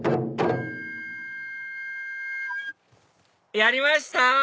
やりました！